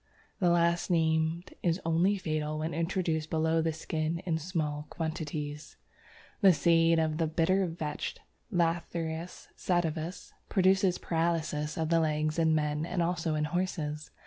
The last named is only fatal when introduced below the skin in small quantities. The seeds of the Bitter Vetch (Lathyrus sativus) produce paralysis of the legs in man and also in horses.